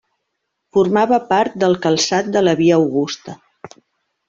Formava part del calçat de la Via Augusta.